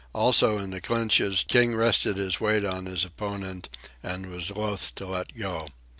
Also, in the clinches King rested his weight on his opponent, and was loath to let go.